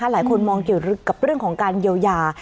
หลายคนมองเกี่ยวกับเรื่องของการเยียวยา